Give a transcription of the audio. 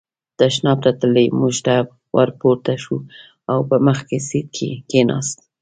تشناب ته تللی، موټر ته ور پورته شو او په مخکې سېټ کې کېناست.